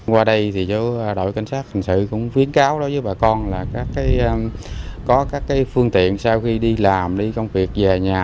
qua đây thì chỗ đội cảnh sát hình sự cũng khuyến cáo đối với bà con là có các phương tiện sau khi đi làm đi công việc về nhà